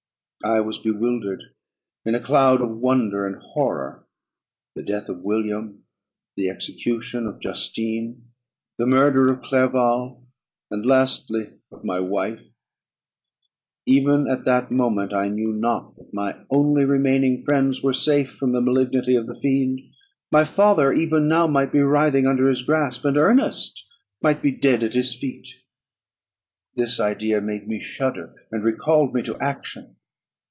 I was bewildered in a cloud of wonder and horror. The death of William, the execution of Justine, the murder of Clerval, and lastly of my wife; even at that moment I knew not that my only remaining friends were safe from the malignity of the fiend; my father even now might be writhing under his grasp, and Ernest might be dead at his feet. This idea made me shudder, and recalled me to action.